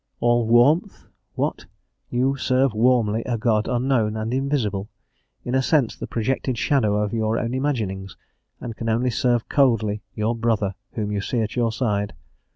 "All warmth?" What! You serve warmly a God unknown and invisible, in a sense the projected shadow of your own imaginings, and can only serve coldly your brother whom you see at your side?